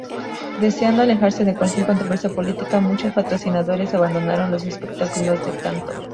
Deseando alejarse de cualquier controversia política, muchos patrocinadores abandonaron los espectáculos de Cantor.